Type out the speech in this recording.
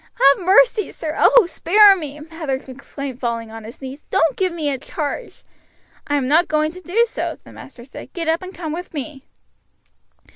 "Have mercy, sir, oh, spare me!" Mather exclaimed, falling on his knees. "Don't give me in charge." "I am not going to do so," the master said. "Get up and come with me."